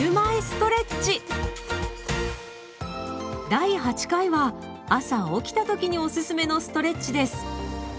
第８回は朝起きた時におすすめのストレッチです。